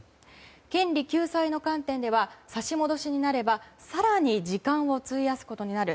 権利救済の観点では差し戻しになれば更に時間を費やすことになる。